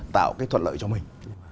tạo cái thuận lợi cho mình